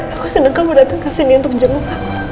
aku senang kau berdekat kesini untuk jemput